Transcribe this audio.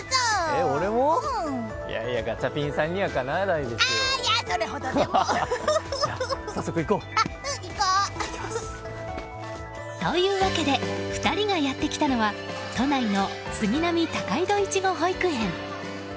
イエーイ！というわけで２人がやってきたのは都内の杉並たかいどいちご保育園。